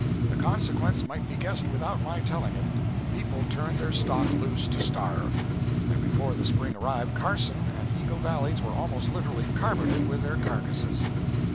The consequence might be guessed without my telling it: peopled turned their stock loose to starve, and before the spring arrived Carson and Eagle valleys were almost literally carpeted with their carcases!